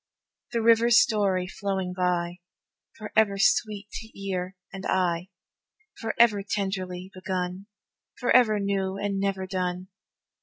The river's story flowing by, Forever sweet to ear and eye, Forever tenderly begun Forever new and never done.